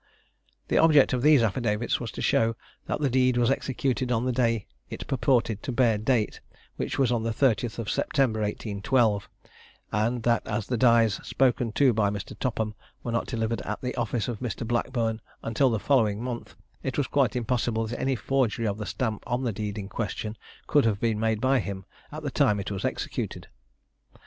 The object of these affidavits was to show that the deed was executed on the day it purported to bear date, which was on the 30th September 1812, and that as the dies spoken to by Mr. Topham were not delivered at the office of Mr. Blackburn until the following month, it was quite impossible that any forgery of the stamp on the deed in question, could have been made by him at the time it was executed.